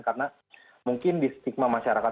karena mungkin di stigma masyarakat